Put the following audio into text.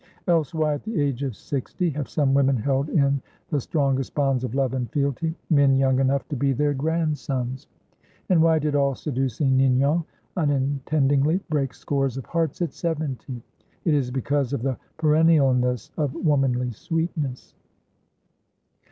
Else, why at the age of sixty, have some women held in the strongest bonds of love and fealty, men young enough to be their grandsons? And why did all seducing Ninon unintendingly break scores of hearts at seventy? It is because of the perennialness of womanly sweetness.